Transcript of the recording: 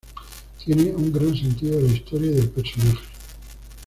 Tiene un gran sentido de la historia y del personaje".